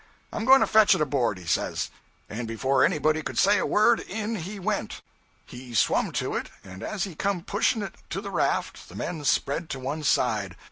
I'm going to fetch it aboard," he says. And before anybody could say a word, in he went. 'He swum to it, and as he come pushing it to the raft, the men spread to one side.